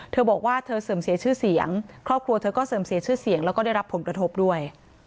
เธอบอกว่าเธอเสื่อมเสียชื่อเสียงครอบครัวเธอก็เสื่อมเสียชื่อเสียงแล้วก็ได้รับผลกระทบด้วย